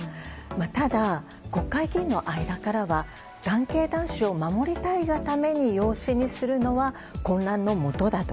ただ、国会議員の間からは男系・男子を守りたいがために養子にするのは混乱のもとだと。